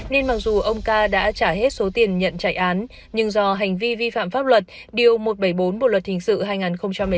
nên mặc dù ông ca đã trả hết số tiền nhận chạy án nhưng do hành vi vi phạm pháp luật điều một trăm bảy mươi bốn bộ luật hình sự hai nghìn một mươi năm